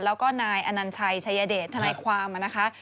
แล้วก็นายอนัญชัยชัยเดชทนายความนะคะ